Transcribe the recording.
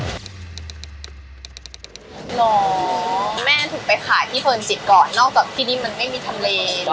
ล๋อแม่ถูกไปขายที่เติบนร์จิตเพราะนอกจากที่นี่แม่ไม่มีทะเล